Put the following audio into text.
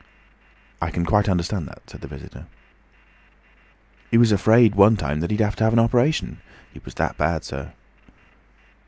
"I can quite understand that," said the visitor. "He was afraid, one time, that he'd have to have an op'ration—he was that bad, sir."